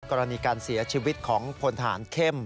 กรณีการเสียชีวิตของพลทหารเข้ม